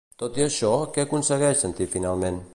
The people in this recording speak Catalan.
Tot i això, què aconsegueix sentir finalment?